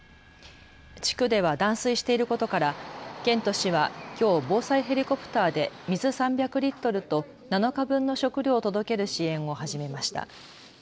地区では断水していることから県と市はきょう防災ヘリコプターで水３００リットルと７日分の食料を届ける支援を始めました。